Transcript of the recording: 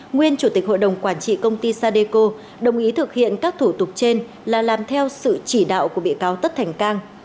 nguyên chủ tịch hội đồng quản trị công ty sadeco đồng ý thực hiện các thủ tục trên là làm theo sự chỉ đạo của bị cáo tất thành cang